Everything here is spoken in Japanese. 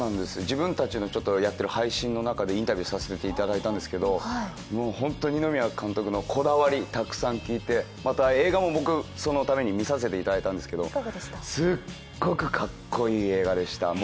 自分たちのやってる配信の中でインタビューさせていただいたんですけど本当、二宮監督のこだわり、たくさん聞いてまた、映画も僕、そのために見させていただいたんですけどすっごくかっこいい映画でした。